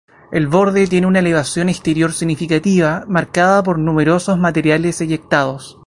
El borde tiene una elevación exterior significativa, marcada por numerosos materiales eyectados.